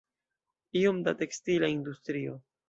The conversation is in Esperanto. Iom da tekstila industrio.